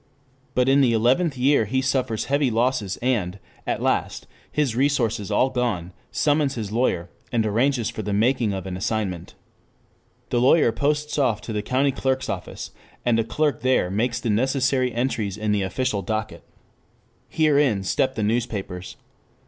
But in the eleventh year he suffers heavy losses and, at last, his resources all gone, summons his lawyer and arranges for the making of an assignment. The lawyer posts off to the County Clerk's office, and a clerk there makes the necessary entries in the official docket. Here in step the newspapers.